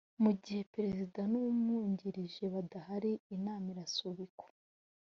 mu gihe perezida n’umwungirije badahari inama irasubikwa